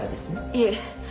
いえ。